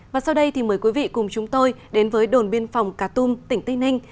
và sau đây thì mời quý vị cùng chúng tôi đến với đồn biên phòng cà tum tỉnh tây ninh